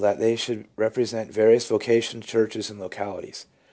that they should represent various vocations, churches and localities.